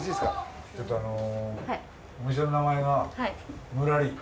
ちょっとあのお店の名前がムラリ。